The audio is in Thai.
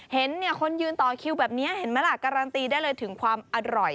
เห็นคนยืนต่อคิวแบบนี้เห็นไหมล่ะการันตีได้เลยถึงความอร่อย